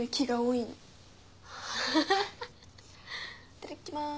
いただきます。